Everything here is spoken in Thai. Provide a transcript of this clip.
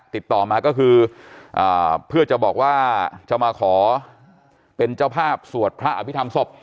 ติดต่อมาก็คือเพื่อจะบอกว่าจะมาขอเป็นเจ้าภาพสวดพระอภิษฐรรมศพ